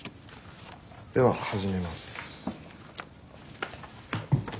では始めます。